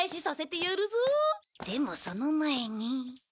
でもその前に。